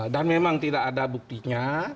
dan memang tidak ada buktinya